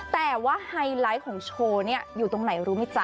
แต่ว่าไฮไลท์ของโชว์เนี่ยอยู่ตรงไหนรู้ไหมจ๊